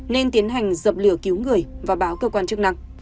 nên tiến hành dập lửa cứu người và báo cơ quan chức năng